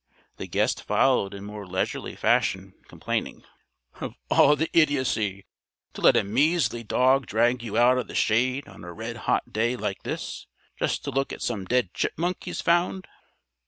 The guest followed in more leisurely fashion complaining: "Of all the idiocy! To let a measly dog drag you out of the shade on a red hot day like this just to look at some dead chipmunk he's found!"